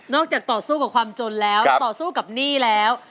ต่อสู้กับความจนแล้วต่อสู้กับหนี้แล้ว